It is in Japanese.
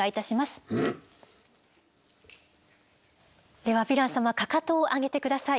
ではヴィラン様かかとを上げて下さい。